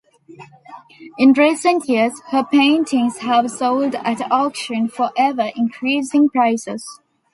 In recent years, her paintings have sold at auction for ever increasing prices.